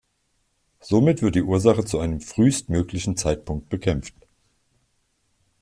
Somit wird die Ursache zu einem frühestmöglichen Zeitpunkt bekämpft.